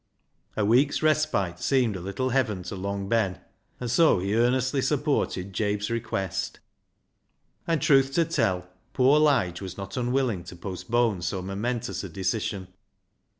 A week's respite seemed a little heaven to Long Ben, and so he earnestly supported Jabe's request; and truth to tell, poor Lige was not unwilling to postpone so momentous a decision.